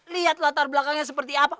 lihat latar belakangnya seperti apa